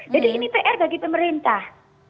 jadi ini pr bagi pemerintah